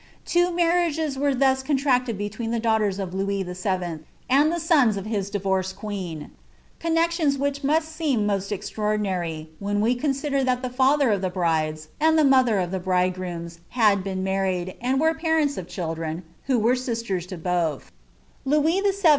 Two marriages were thus contracted between the datigb ten of Louis VII^ and the sons of his diTorceil queen ; connesiuo* which must seem most extraordinary, \v~hen we consider that the father of the brides, and the mother of the bridegrooms, had been married, tnd wero the parents of children, who were sistere to botb l^uisVn.